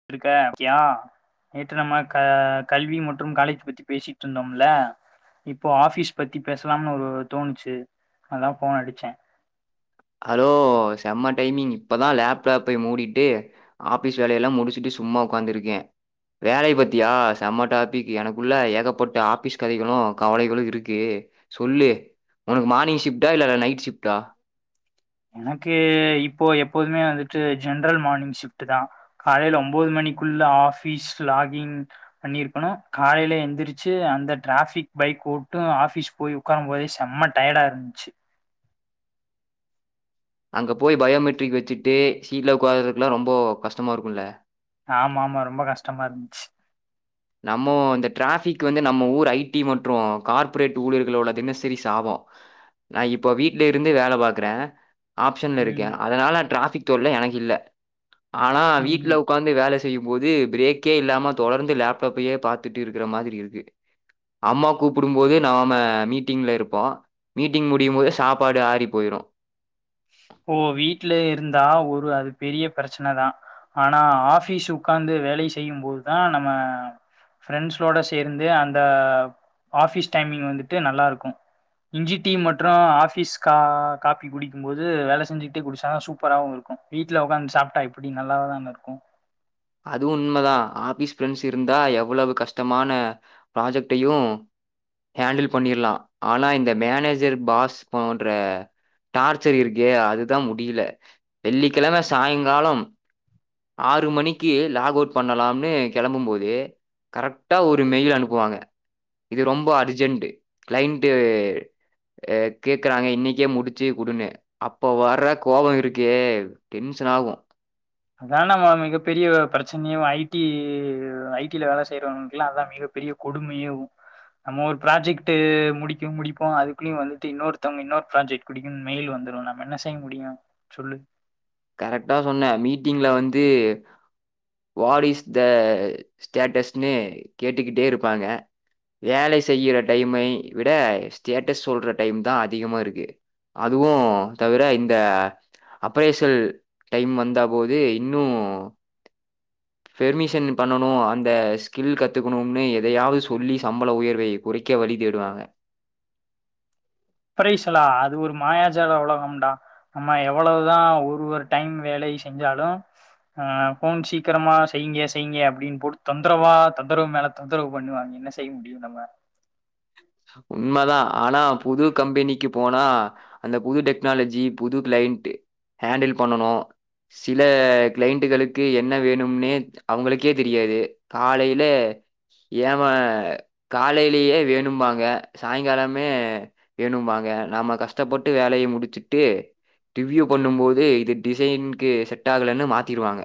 எப்டி இருக்க கியா நேற்று நம்ம க கல்வி மற்றும் காலேஜ் பத்தி பேசிட்டு இருந்தோம்ல இப்போ ஆஃபீஸ் பத்தி பேசலாம்னு ஒரு தோணுச்சு அதா ஃபோன் அடிச்சே ஹலோ செம்ம டைமிங் இப்பதா லேப்டாப்பை மூடிட்டு ஆபிஸ் வேலையெல்லா முடிச்சுட்டு சும்மா உக்காந்துருக்கே வேலை பத்தியா செம்ம டாபிக் எனக்குள்ள ஏகப்பட்ட ஆஃபிஸ் கதைகளு கவலைகளு இருக்கு சொல்லு உனக்கு மார்னிங் ஷிப்டா இல்ல நைட் ஷிப்ட்டா எனக்கு இப்போ எப்போதுமே வந்துட்டு ஜென்ரல் மார்னிங் ஷிப்ட் தா காலையில ஒன்பது மணிக்குள்ள ஆஃபீஸ் லாகிங் பண்ணிருக்குணு காலையில எழுந்திரிச்சு அந்த டிராஃபிக் பைக் ஓட்டு ஆபிஸ் போய் உட்கார போதே செம டயடா இருந்துச்சு அங்க போய் பயோமெட்ரிக் வச்சுட்டு சீட்ல உட்காரதுக்குலா ரொம்ப கஷ்டமா இருக்குல்ல ஆமா ஆமா ரொம்ப கஷ்டமா இருந்துச்சு நம்ம இந்த டிராஃபிக் வந்து நம்ம ஊர் ஐ டி மற்று கார்ப்ரேட் ஊழிர்களோட தினசரி சாபோ நா இப்போ வீட்லே இருந்து வேல பாக்குறே ஆப்ஷன்ல இருக்கே ம் அதனால டிராஃபிக் தொல்ல எனக்கு இல்ல ஆனா ம் வீட்ல உக்காந் ந்து வேல செய்யு போது பிரேக்கே இல்லாம தொடர்ந்து லேப்டாப்பையே பாத்துட்டு இருக்குற மாதிரி இருக்கு அம்மா கூப்புடு போது நாம மீட்டிங்ல இருப்போ மீட்டிங் முடியு போது சாப்பாடு ஆறி போயிரு ஓ வீட்ல இருந்தா ஒரு அது பெரிய பிரச்சனைதா ஆனா ஆஃபீஸ் உட்கார்ந்து வேல செய்யு போதுதா நம்ம ஃப்ரெண்ட்ஸ்ஸோட சேர்ந்து அந்த ஆஃபீஸ் டைமிங் வந்துட்டு நல்லா இருக்கு இஞ்சி டி மற்று ஆஃபிஸ் கா காப்பி குடிக் கும் போது வேல செஞ்சுக்கிட்டே குடிச்சாதா சூப்பராவு இருக்கு வீட்ல உக்காந்து சாப்பிட்டா எப்டி நல்லா தான இருக்கு அதுவு உண்மதா ஆஃபீஸ் ஃப்ரெண்ட்ஸ் இருந்தா எவ்ளோவு கஷ்டமான ப்ராஜெக்ட்டையு ஹேண்டில் பண்ணிற்லா ஆனா இந்த மேனேஜர் பாஸ் போன்ற டார்ச்சர் இருக்கே அதுதா முடியில வெள்ளிக்கிழம சாய்ங்காலம் ஆறு மணிக்கு லாக் அவுட் பண்ணலாம்னு கெளம்பு போது கரெக்ட்டா ஒரு மெயில் அனுப்புவாங்க இது ரொம்ப அர்ஜென்ட்டு கிளையண்ட்டு கேக்குறாங்க இன்னக்கே முடிச்சு குடுங்க அப்ப வர்ற கோவோ இருக்கே டென்ஷன் ஆகு அதாண்ணா மிகப்பெரிய பிரச்சனையே ஐ டி ஐ டியில வேலை செய்றவங்களுக்குல்லா அதா மிக பெரிய கொடுமையே நம்ம ஒரு ப்ராஜெக்ட் முடிக்கு முடிப்போ அதுக்குள்ளையு வந்துட்டு இன்னொருத்தவங்க இன்னொரு ப்ராஜெக்ட் முடிக்கு மெயில் வந்துரு நம்ம என்ன செய்ய முடியு சொல்லு கரெக்டா சொன்ன மீட்டிங்ல வந்து வாடி இஸ் த ஸ்டேட்டஸ்ன்னு கேட்டுக்கிட்டே இருப்பாங்க வேலை செய்யற டைமை விட ஸ்டேட்டஸ் சொல்ற டைம் தா அதிகமா இருக்கு அதுவு தவிர இந்த அப்பைஸ் கள் டைம் வந்த போது இன்னு பெர்மிஷன் பண்ணணு அந்த ஸ்கில் கத்துக்கணுனு எதையாவது சொல்லி சம்பள உயர்வை குறைக்க வழி தேடுவாங்க பிரைசலா அது ஒரு மாயாஜால உலகம்டா நம்ம எவ்வளவுதா ஒரு ஒரு டைம் வேலை செஞ்சாலு ஆ போன் சீக்கிரமா செய்யுங்க செய்யுங்க அப்படின் போட்டு தொந்தரவா தொந்தரவு மேல தொந்தரவு பண்ணுவாங்க என்ன செய்ய முடியு நம்ம உண்ம தா ஆனா புது கம்பெனிக்கு போனா அந்த புது டெக்னாலஜி புது கிளைண்ட் ஹேண்டில் பண்ணனு சில கிளைண்ட்டுகளுக்கு என்ன வேணும்னே அவங்களுக்கே தெரியாது காலைலே ஏம காலைலேயே வேணும்பா ங்க சாயங்காலமே வேணும்பாங்க நாம கஷ்டப்பட்டு வேலைய முடிச்சுட்டு டிவ்யூ பண்ணும் போது இது டிசைன்க்கு செட் ஆகலன்னு மாத்திருவாங்க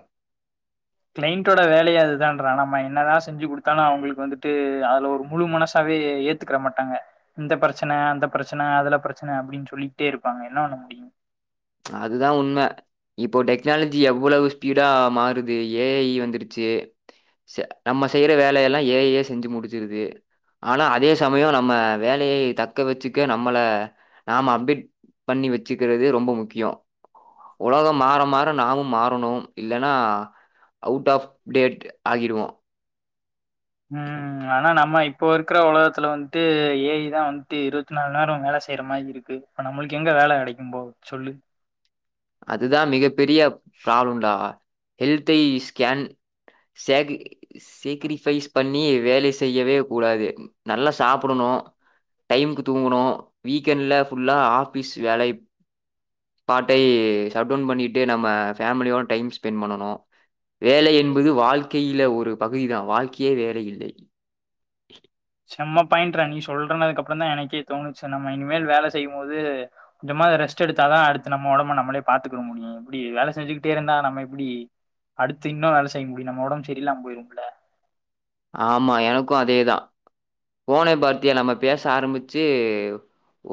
கிளையண்டோட வேலையே அதுதான்றே நம்ம என்னதா செஞ்சி குடுத்தாலு அவங்களுக்கு வந்துட்டு அதுல ஒரு முழு மனசாவே ஏத் ஏத்துக்றக மாட்டாங்க இந்த பிரச்சன அந்த பிரச்சன அதுல பிரச்சன அப்படின் சொல்லிட்டே இருப்பாங்க என்ன பண்ண முடியு அதுதா உண்ம இப்போ டெக்னாலஜி எவ்வளவு ஸ்பீடா மாறுது ஏ ஐ வந்துருச்சி சே அ நம்ம செய்யுற வேலையெல்லா ஏ ஐ செஞ்சு முடிச்சுருது ஆனா அதே சமயோ நம்ம வேலையை தக்க வச்சுக்க நம்மள நாம அப்டேட் பண்ணி வச்சுக்கிறது ரொம்ப முக்கி யோ உலகம் மாற மாற நாமும் மாறணும் இல்லனா அவுட் ஆஃப் டேட் ஆகிடுவோ ம் ஆனா நம்ம இப்போ இருக்கிற உலகத்துல வந்ட்டு ஏ ஐ தா வந்ட்டு இருபத் நால் நேரோ வேல செய்யுற மாரி இரு க்கு இப்ப நம்மளுக்கு எங்க வேல கெடைக்கும் ப்ரோ சொல்லு அதுதா மிக பெரிய ப்ராப்ளம்டா ஹெல்தி ஸ்கேன் சேகு சேக்ரிபைஸ் பண்ணி வேல செய்யவே கூடாது நல்லா சாப்பிடணு டைம்க்கு தூங்கணு வீக்கெண்ட்ல ஃபுல்லா ஆஃபீஸ் வேலை பாட்டை சடோன் பண்ணிட்டு நம்ம ஃபேமிலியோட டைம் ஸ்பெண்ட் பண்ணனு வேலை என்பது வாழ்க்கையில ஒரு பகுதிதா வாழ்க்கையே வேலை இல்லை செம்மா பாயிண்ட்றா நீ சொல்றனதுக்கு அப்புறந்தா எனக்கே தோணுச்சு நம்ம இனிமேல் வேல செய்யும் போது கொஞ்சமாவாது ரெஸ்ட் எடுத்தாதா அடுத்து நம்ம உடம்பு நம்மளே பாத்துக்குட முடியு இப்டி வேல செஞ்சுக்கிட்டே இருந்தா நம்ம எப்டி அடுத்து இன்னு வேல செய்ய முடியு நம்ம உடம்பு சரியல்லாம போயிருமுல்ல ஆமா எனக்கு அதேதா போனே பாத்தியா நம்ம பேச ஆரம்பிச்சி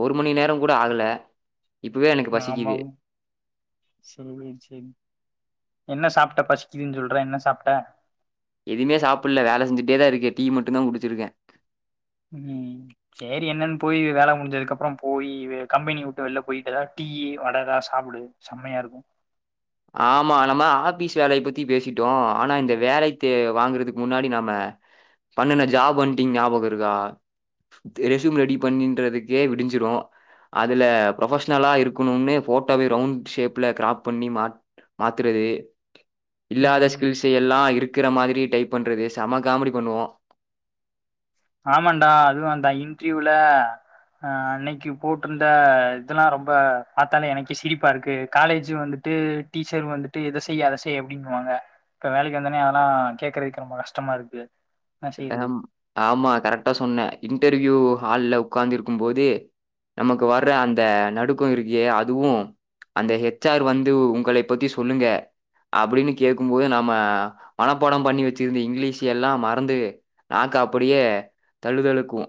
ஒரு மணி நேரம் கூட ஆகல இப்பவே எனக்கு அ பசிக்குது. ஆமாங்க என்ன சாப்ட்ட பசக்கிதுன் சொல்ற என்ன சாப்ட்ட எதுமே சாப்புல வேல செஞ்சுட்டே தா இருக்கே டீ மட்டு தா குடிச்சிருக்கே ம் சேரி என்னன் போயி வேல முடிஞ்சதுக்கப்பற போயி வெ கம்பெனி விட்டு வெள்ல போயிட்டு எதா டீயி வட எதா சாப்புடு செம்மையா இருக்கு ஆமா நம்ம ஆஃபீஸ் வேலைய பத்தி பேசிட்டோ ஆனா இந்த வேலைத்தே வாங்குறதுக்கு முன்னாடி நம்ம பண்ணுன்ன ஜாப் வன்ட்டிங் ஞாபக இருக்கா ரெஸியும் ரெடி பண்ணின்றதுக்கே விடிஞ்சிரு அதுல ப்ரொபஷ்னலா இருக்கணுன்னே ஃபோட்டோவே ரவுண்ட் ஷேப்ல கிராப் பண்ணி மாத் மாத்துறது இல்லாத ம் ஸ்கில்ஸ்சயெ ல்லா இருக்கிற மாதிரி டைப் பண்றது செம காமெடி பண்ணுவோ ஆமன்டா அதுவு அந்த இன்ட்ரிவ்யூல அ அன்னைக்கு போட்ருந்த இதெல்லா ரொம்ப பாத்தாலே எனக்கே சிரிப்பா இருக்கு காலேஜு வந்து ட்டு டீச்சர் வந்துட்டு இத செய் அத செய் அப்டின்னுவாங்க இப்ப வேலைக்கு வந்தோனே அதுலா கேக்குறதுக்கு ரொம்ப கஷ்டமா இருக்கு என்ன செய்றது அம் ஆமா கரெக்டா சொன்னா இன்டர்வியூ ஹால்ல உக்காந்துருக்கும் போது நமக்கு வர்ற அந்த நடுக்கோ இருக்கே அதுவு அந்த ஹெச் ஆர் வந்து உங்களை பத்தி சொல்லுங்க அப்டின்னு கேக்கும் போது நம்ம மனப்பாட பண்ணி வெச்சிருந்த இங்லீஷ் எல்லா மறந்து நாக்கு அப்டியே தழு தழுக்கு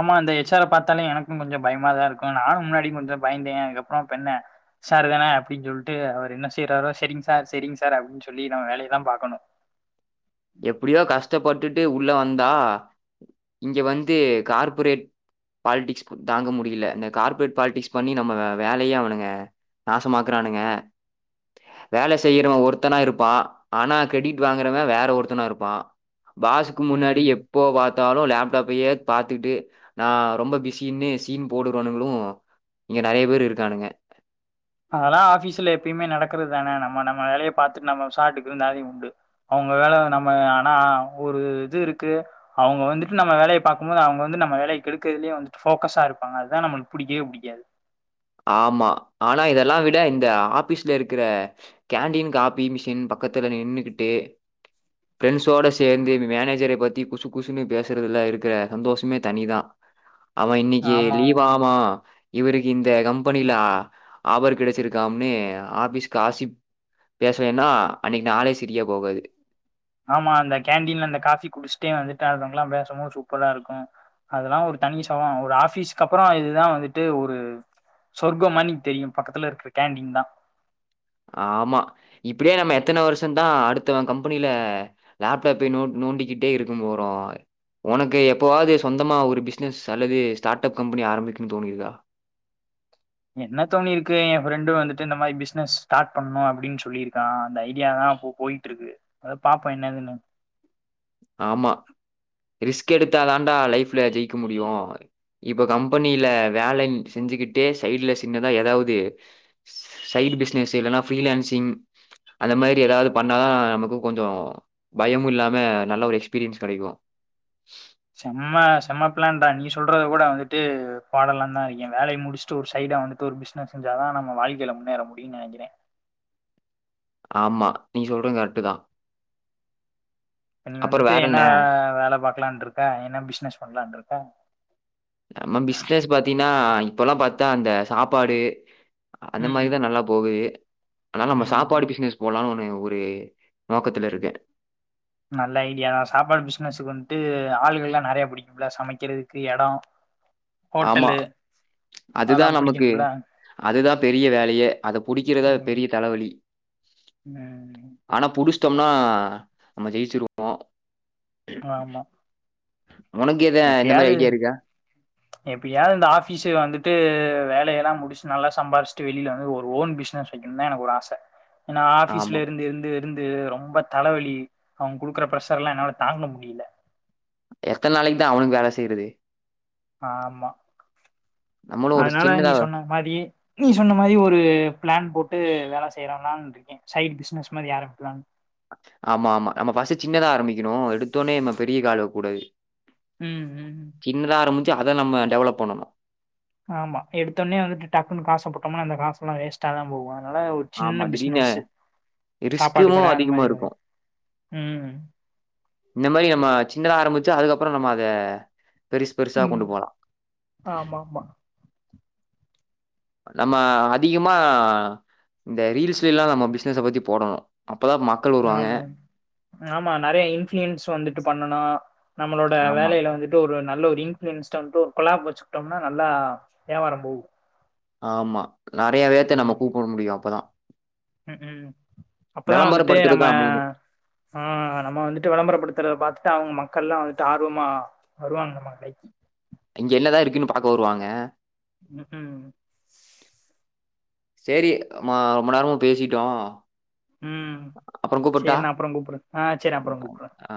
ஆமா அந்த எச் ஆர பாத்தாலே எனக்கு கொஞ்ச பயமா தா இருக்கு நானு முன்னாடி கொஞ்ச பயந்தே அதுக்கப்பறோ இப்ப என்ன சார் தானே அப்டின் சொல்ட்டு அவரு என்ன செய்றாரோ செரிங் சார் செரிங் சார் அப்டின் சொல்லி நம்ம வேலையதா பாக்கணு எப்டியோ கஷ்டப்பட்டுட்டு உள்ள வந்தா இங்க வந்து கார்ப்பரேட் பாலிடிக்ஸ் தாங்க முடியல இந்த கார்பரேட் பாலிடிக்ஸ் பண்ணி நம்ம வே வேலையே அவனுங்க நாசமாக்குறானுங்க வேல செய்யறவ ஒருத்தனா இருப்பா ஆனா கிரெடிக்ட் வாங்குறவ வேற ஒருத் தனா இருப்பா பாஸுக்கு முன்னாடி ம் எப்போ பாத்தாலு லேப்டாப்பையே பாத்துக்கிட்டு நா ரொம்ப பிஸின்னு சீன் போடுறவ்னுங்களு இங்க நெறைய பேரு இருக்கானுங்க அதெல்லா ஆஃபீஸ்ல எப்பயுமே நடக்குறது தான நம்ம நம்ம வேலய பாத்துட்டு நம்ம பெசாட்டுக்கு இருந்தாதே உண்டு அவுங்க வேலய வந்து நம்ம ஆனா ஒரு இது இருக்கு அவுங்க வந்துட்டு நம்ம வேலைய பாக்கும்போது அவுங்க வந்து நம்ம வேலைய கெடுக்குறதுலயே வந்து ஃபோக்கஸா இருப்பாங்க அதுதா நம்மளுக்கு புடிக்கவே புடிக்காது ஆமா ஆனா இதெல்லா விட இந்த ஆபீஸ்ல இருக்கிற கேண்டீன் காபி மிஷின் பக்கத்துல நின்னுகிட்டு ஃப்ரெண்ட்ஸோட சேந்து இந்த மேனேஜர பத்தி குசு குசுன்னு பேசுறதுல இருக்கிற சந்தோஷமே தனிதா அவ இன்னைக்கு ஆமா லீவாமா இவருக்கு இந் த கம்பெனில ஆஃபர் கெடச்சிருக்காம்னு ஆஃபீஸுக் காசிப் பேசவேன்னா அன்னைக்கு நாளே செரியா போகாது ஆமா அந்த கேண்டீன்ல அந்த காஃபி குடிச்ட்டே வந்துட்டு அ இருந்தவ்ங்கலா பேசம் போது சூப்பரா இருக்கு அதெல்லா ஒரு தனி சொகோ ஒரு ஆஃபீஸ்க்கப்பற இதுதா வந்துட்டு ஒரு சொர்க மார் இன்னைக்கு தெரியு பக்கத்துல இருக்கிற கேண்டீன் தா ஆமா இப்டியே நம்ம எத்தன வருஷந்தா அடுத்து அவ கம்பெனில லேப்டாப்பை நோ நோண்டிக்கிட்டே இருக்கும் போறோ ஓனக்கு எப்போவாவ்து சொந்தமா ஒரு பிஸ்னஸ் அல்லது ஸ்டார்ட் அப் கம்பெனி ஆரம்மிக்கனு தோணிருக்கா என்ன தோணிருக்கு எ ஃப்ரெண்டு வந்துட்டு இந்த மாரி பிசினஸ் ஸ்டார்ட் பண்ணணு அப்டின் சொல்லிருக்கா அந்த ஐடியா தா அப்போ போயிட்ருக்கு அத பாப்போ என்னதுன்னு ஆமா ரிஸ்க்கெடுத்தாதான்டா லைஃபுல ஜெயிக்க முடியு இப்ப கம்பனில வேலைங் செஞ்சுக்கிட்டே சைட்ல சின்னதா எதாவ்து சைடு பிஸ்னஸு இல்லனா ஃப்ரீலான்சிங் அத மாரி எதாவ்து பண்ணா நமக்கு கொஞ்சோ பயமு இல்லாம நல்ல ஒரு எக்ஸ்பீரியன்ஸ் கெடைக்கு செம்ம செம்ம ப்ளான்டா நீ சொல்றத கூட வந்துட்டு போடலாந்தா இருக்கே வேலைய முடிச்சுட்டு ஒரு சைடா வந்துட்டு ஒரு பி பிஸ்னஸ் செஞ்சாதா நம்ம வாழ்க்கைல முன்னேற முடியுன் நெனைக்கிறே ஆமா நீ சொல்றது கரெக்ட்டுதா இப்ப நீங்க வந்துட்டு என்ன வே வேல பாக்கலான் இருக்கா என்ன பிஸ்னஸ் பண்ணலான் இருக்க நம்ம பிஸ்னஸ் பாத்தீன்னா இப்பல்லா பாத்தா அந்த சாப்பாடு அந்த ம் மாரிதா நல்லா போகுது அதனால நம்ம ம் சாப்பாடு பிஸ்னஸ் போலானு ஒன்னு ஒரு நோக்கத்துல இருக்கே நல்ல ஐடியாதா சாப்பாடு பிஸ்னஸ்கு வந்ட்டு ஆளுகள்லா நறையா புடிக் நம்ளா சமைக்கிறதுக்கு எடோ ஆமா ஹோட்டலு அதுதா அதெல்லா நமக்கு புடிக்கணும்ல அதுதா பெரிய வேலையே அத புடிக்கிறதா பெரிய தலவலி ம ஆனா புடிசிட்டோம்னா நம்ம ஜெய்ச்சுருவோ ஆமா உனக்கு எத இந்த மாரி எப்டியாது ஐடியா இருக்கா? எப்டியாது இந்த ஆஃபிஸு வந்துட்டு வேலயெல்லா முடிச்சு நல்லா சம்பாரிச்சுட்டு வெளில வந்து ஒரு ஓன் பிஸ்னஸ் வை கணுன்தா எனக்கு ஒரு ஆச எனா ஆமா. ஆஃபிஸ்ல இருந்து இருந்து இருந்து ரொம்ப தலவலி அவ குடுக்குற ப்ரஷர்ல்லா என்னால தாங்க முடில எத்தன் நாளைக்குதா அவுனுக்கு வேல செய்றது ஆமா நம்மளும் ஒரு அதனால நீ சின்னதா சொன்ன மாரி நீ சொன்ன மாரி ஒரு ப்ளான் போட்டு வேல செய்யலான்ருக் கே சைட் பிஸ்னஸ் மாரி ஆரம்பிக்கலான் ஆமா ஆமா நம்ம ஃபஸ்ட்டு சின்னதா ஆரம்பிக்கணு எடுத்தோனே நம்ம பெரிய கால் வெக்கூடாது ம் ம் சின்னதா ஆரம்பிச்சி அத நம்ம டெவலப் பண்ணணு ஆமா எடுத்தொனே வந்துட்டு டக்குன்னு காச போட்டோமா அந்த காச எல்லா வேஸ்ட்டாதா போவு அதனால ஒரு ஆமா. சின்ன திடீர்னு பிஸ்னஸ்சு சாப்பாடு ரிஸ்க்கும் கட அந்த அதிகமா மாரி இருக்கும். ம் இந்த மாரி நம்ம சின்னதா ஆரம்பிச்சு அதுக்கப்புறோ நம்ம அத பெருசு பெருசா கொண்டு போலா ஆமா ஆமா நம்ம அதிகமா இந்த ரீல்ஸ்லிலா நம்ம பிஸ்னஸ பத்தி போடணு அப்பதா மக் ஆமா ஆமா நறைய இன்ஃபுளுயன்ஸ் வந்துட்டு பண்ணனா நம்மளோட ஆமா, வேலைல வந்துட் டு ஒரு நல்ல ஒரு இன்ஃபுளியன்ஸ ஒரு குலாப் வெச்சுட்டோனா நல்லா வியாபாரோ போகு ஆமா நறைய பேத்த நம்ம கூப்ட முடியு அப்பதா ம் ம் அப்பதா வந்துட்டு நம்ம விளம்பரப்படுத்துறது தான் மெயின். ஆ நம்ம வந்துட்டு விளம்பரப்படுத்துறத பாத்துட்டு அவுங்க மக்கள்லா வந்துட்டு ஆர்வமா வருவாங்க நம்ம கடைக்கி இங்க என்னதா இருக்குனு பாக்க வருவாங்க ம் ம் சேரி மா ரொம்ப நேரமா பேசிட்டோ ம் சேரி நா அப்புறோ கூப்புறே ஆ சேரி அப்புறோ கூப்புறே ஆ